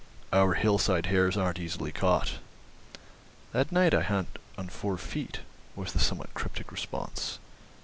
"Our hillside hares aren't easily caught." "At night I hunt on four feet," was the somewhat cryptic response.